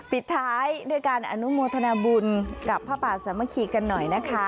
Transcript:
ปิดท้ายด้วยการอนุโมทนาบุญกับพระป่าสามัคคีกันหน่อยนะคะ